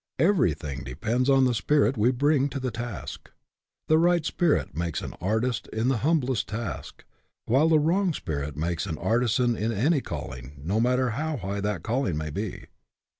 Everything depends on the spirit we bring the task. The right spirit makes an artist in the humblest task, while the wrong SPIRIT IN WHICH YOU WORK 85 spirit makes an artisan in any calling, no mat ter how high that calling may be.